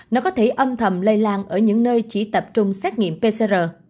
nó có thể âm thầm lây lan ở những nơi chỉ tập trung xét nghiệm pcr